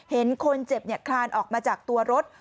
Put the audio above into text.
เห็นคนเจ็บคลานออกมาจากตัวรถ